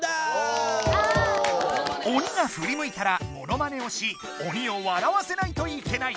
おにがふりむいたらモノマネをしおにを笑わせないといけない。